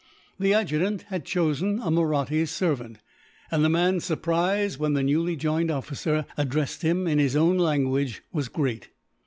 The adjutant had chosen a Mahratta servant, and the man's surprise, when the newly joined officer addressed him in his own language, was great.